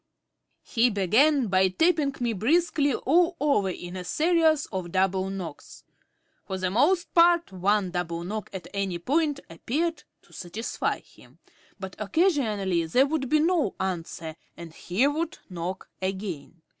He began by tapping me briskly all over in a series of double knocks. For the most part one double knock at any point appeared to satisfy him, but occasionally there would be no answer and he would knock again.